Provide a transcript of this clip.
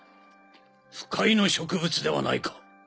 腐海の植物ではないか！